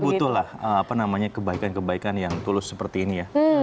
kita butuh kebaikan kebaikan yang tulus seperti ini ya